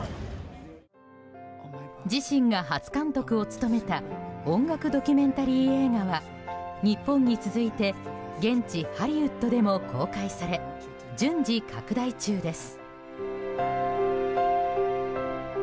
自身が初監督を務めた音楽ドキュメンタリー映画は日本に続いて現地ハリウッドでも公開され順次、拡大中です。